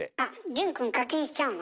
潤くん課金しちゃうの？